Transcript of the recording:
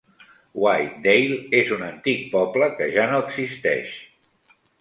Whitedale és un antic poble que ja no existeix.